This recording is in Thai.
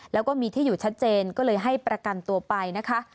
แล้วก็มีที่อยู่ชัดเจนก็เลยให้ประกันตัวไปนะคะ